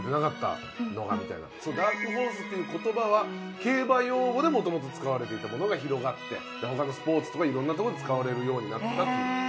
そのダークホースっていう言葉は競馬用語でもともと使われていたものが広がってだから他のスポーツとかいろんなとこで使われるようになったっていうえ